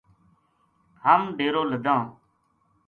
ہم ڈیرو لَداں